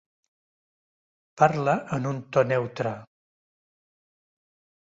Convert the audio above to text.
Parla en un to neutre.